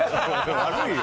悪いよ。